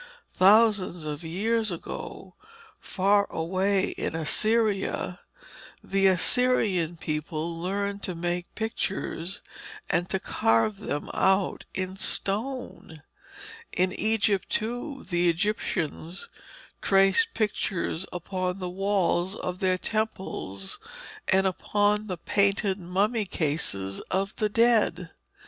Thousands of years ago, far away in Assyria, the Assyrian people learned to make pictures and to carve them out in stone. In Egypt, too, the Egyptians traced pictures upon the walls of their temples and upon the painted mummy cases of the dead.